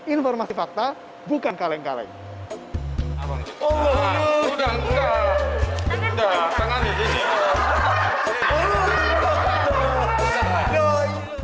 informasi fakta bukan kaleng kalengi